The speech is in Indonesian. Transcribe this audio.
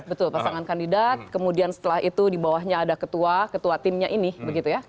betul pasangan kandidat kemudian setelah itu di bawahnya ada ketua ketua timnya ini begitu ya